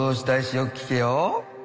よく聞けよ。